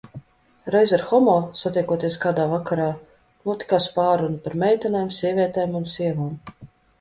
Reiz ar Homo, satiekoties kādā vakarā, notikās pārruna par meitenēm, sievietēm un sievām.